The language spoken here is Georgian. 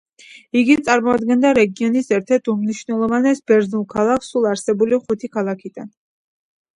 იგი წარმოადგენდა რეგიონის ერთ-ერთ უმნიშვნელოვანეს ბერძნულ ქალაქს სულ არსებული ხუთი ქალაქიდან.